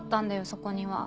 そこには。